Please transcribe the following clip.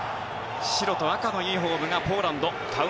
白と赤のユニホームがポーランド。